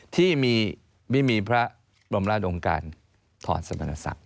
ที่มีมิมีพระรมราชงงการถอดสำนักศักดิ์